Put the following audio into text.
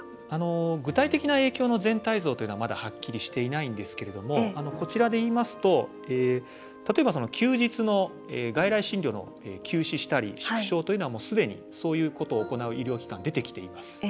具体的な影響の全体像というのはまだはっきりしていないんですが休日の外来診療を休止したり縮小というのはそういうことを行う医療機関が出てきています。